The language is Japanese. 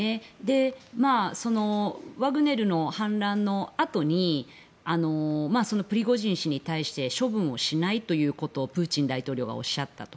ワグネルの反乱のあとにプリゴジン氏に対して処分をしないということをプーチン大統領はおっしゃったと。